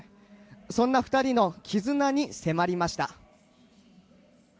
そんな２人の絆に迫りました。